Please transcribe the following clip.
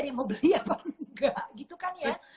yang mau beli apa enggak gitu kan ya